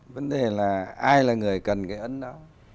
vấn đề là ai là người cần cái ấn náu